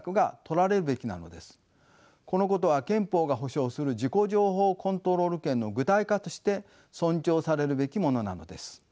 このことは憲法が保障する自己情報コントロール権の具体化として尊重されるべきものなのです。